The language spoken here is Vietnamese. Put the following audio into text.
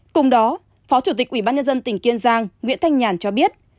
cùng đó phó chủ tịch ubnd tỉnh kiên giang nguyễn thanh nhàn cho biết